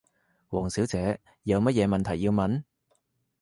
王小姐，有乜嘢問題要問？